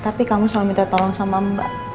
tapi kamu selalu minta tolong sama mbak